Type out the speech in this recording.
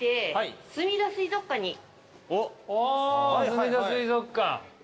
おすみだ水族館。